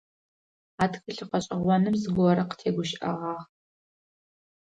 А тхылъ гъэшӏэгъоным зыгорэ къытегущыӏэгъагъ.